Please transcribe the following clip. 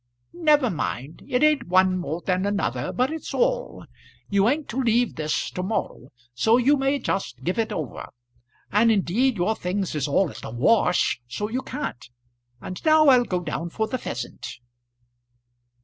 "Never mind. It ain't one more than another, but it's all. You ain't to leave this to morrow, so you may just give it over. And indeed your things is all at the wash, so you can't; and now I'll go down for the pheasant."